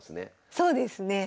そうですね。